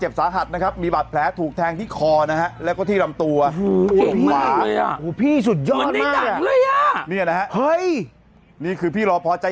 ยังไงยังไงยังไงยังไงยังไงยังไงยังไงยังไงยังไง